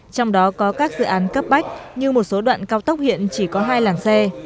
trong đó có các dự án cấp bách như một số đoạn cao tốc hiện chỉ có hai làng xe